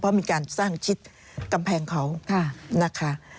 เพราะมีการสร้างชิดกำแพงเขานะคะ